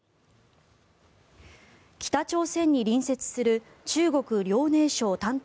北朝鮮に隣接する中国・遼寧省丹東